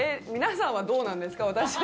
皆さんはどうなんですか？